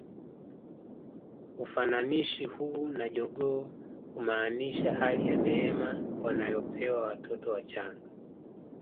Ufananishi huu na jogoo humaanisha hali ya neema wanayopewa watoto wachanga